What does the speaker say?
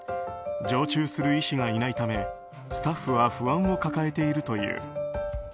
常駐する医師がいないためスタッフは不安を抱えているという。